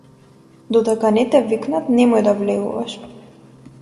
Додека не те викнат немој да влегуваш.